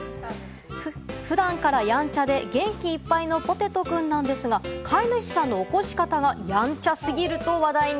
普段からやんちゃで元気いっぱいのぽてとくんなんですが、飼い主さんの起こし方がやんちゃ過ぎると話題に。